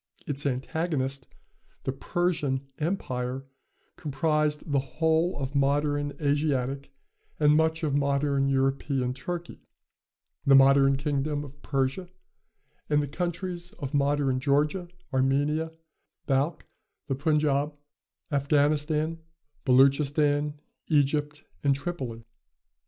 Its antagonist, the Persian, empire, comprised the whole of modern Asiatic and much of modern European Turkey, the modern kingdom of Persia and the countries of modern Georgia, Armenia, Balkh, the Punjaub, Afghanistan, Beloochistan, Egypt and Tripoli.